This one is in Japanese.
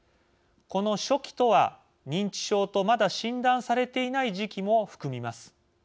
この初期とは認知症とまだ診断されていない時期も含みます。